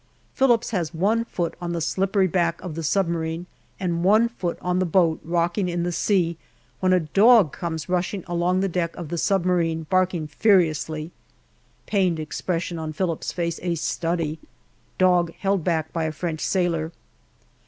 Phillips has one foot on the slippery back of the submarine and one foot on the boat, rocking in the sea, when a dog comes rushing along the deck of the submarine barking furiously. Pained expression on Phillips's face a study. Dog held back by a French sailor.